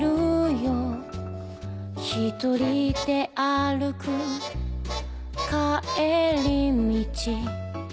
「ひとりで歩く帰り道」